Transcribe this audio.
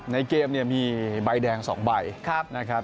ในเกมเนี่ยมีใบแดง๒ใบนะครับ